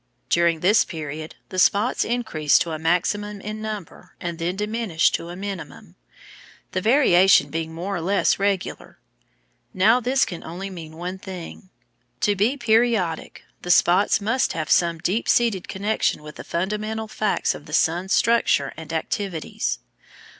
During this period the spots increase to a maximum in number and then diminish to a minimum, the variation being more or less regular. Now this can only mean one thing. To be periodic the spots must have some deep seated connection with the fundamental facts of the sun's structure and activities.